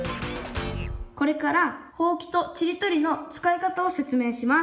これからほうきとちりとりの使い方を説明します。